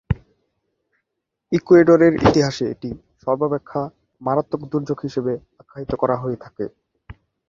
ইকুয়েডরের ইতিহাসে এটি সর্বাপেক্ষা মারাত্মক দুর্যোগ হিসেবে আখ্যায়িত করা হয়ে থাকে।